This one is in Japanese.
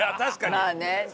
まあね。